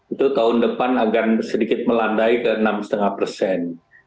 itu tahun depan akan sedikit melandai ke enam lima persen